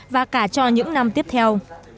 và cả cho những năm tiếp theo